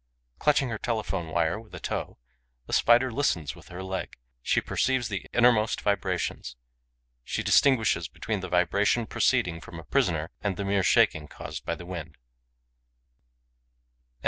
Clutching her telephone wire with a toe, the Spider listens with her leg; she perceives the innermost vibrations; she distinguishes between the vibration proceeding from a prisoner and the mere shaking caused by the wind.